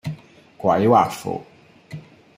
鬼畫符